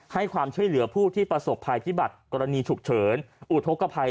ให้ความช่วยเหลือผู้ที่ประสบภัยพิบัติกรณีฉุกเฉินอุทธกภัย